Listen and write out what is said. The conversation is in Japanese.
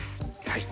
はい。